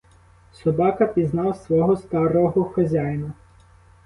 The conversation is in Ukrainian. Собака пізнав свого старого хазяїна.